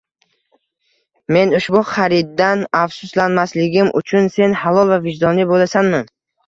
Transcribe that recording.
Men ushbu xariddan afsuslanmasligim uchun sen halol va vijdonli boʻlasanmi?